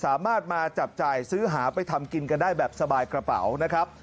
สามารถมาจับจ่ายซื้อหาไปทำกินกันได้แบบสบายกระเป๋านะครับ